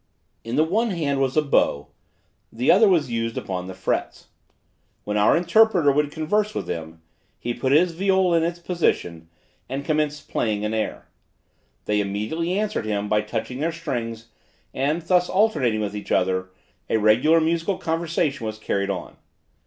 In the one hand was a bow, the other was used upon the frets. When our interpreter would converse with them, he put his viol in its position, and commenced playing an air. They immediately answered him by touching their strings, and thus alternating with each other, a regular musical conversation was carried on.